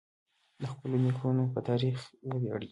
د خپلو نیکونو په تاریخ وویاړئ.